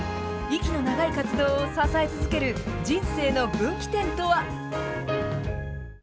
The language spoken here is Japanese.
息の長い活動を支え続ける、人生の分岐点とは。